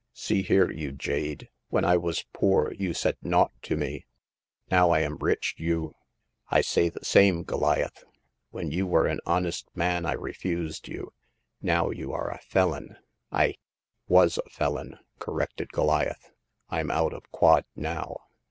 See here, you jade, when I was poor you said naught to me ; now I am rich you "" I say the same, Goliath. When you were The Passing of Hagar. 287 an honest man I refused you ; now you are a felon I '•Was a felon," corrected Goliath. Fm out of quod now."